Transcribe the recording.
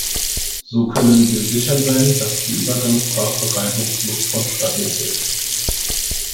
So können wir sicher sein, dass die Übergangsphase reibungslos vonstatten geht.